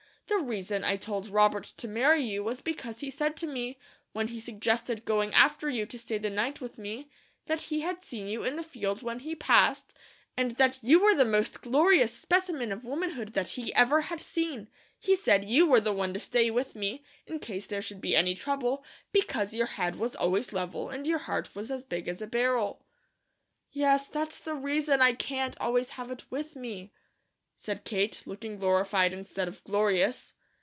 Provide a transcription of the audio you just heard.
The reason I told Robert to marry you was because he said to me, when he suggested going after you to stay the night with me, that he had seen you in the field when he passed, and that you were the most glorious specimen of womanhood that he ever had seen. He said you were the one to stay with me, in case there should be any trouble, because your head was always level, and your heart was big as a barrel." "Yes, that's the reason I can't always have it with me," said Kate, looking glorified instead of glorious.